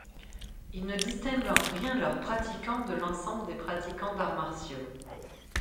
Ils ne distinguent en rien leurs pratiquants de l'ensemble des pratiquants d'arts martiaux.